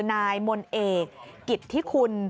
นายมนเอกกิจธิคุณ